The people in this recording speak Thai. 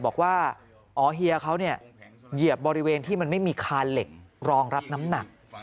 บอกว่าอ๋อเฮียเขาเหยียบบริเวณที่มันไม่มีคานเหล็กรองรับน้ำหนัก